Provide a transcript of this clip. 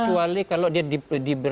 kecuali kalau dia diberi